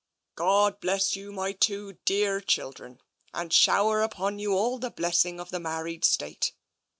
" God bless you, my two dearr children, and shower upon you all the blessing of the married state.